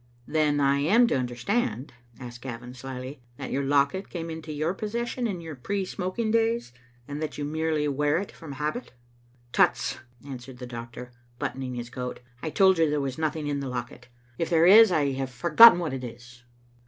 "Then I am to understand," asked Gavin, slyly, "that your locket came into your possession in your pre smoking days, and that you merely wear it from habit?" " Tuts !" answered the doctor, buttoning his coat " I told you there was nothing in the locket. If there is, I have forgotten what it is.